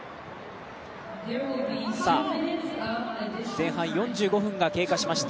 前半４５分が経過しました。